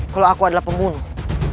kalau aku adalah pembunuh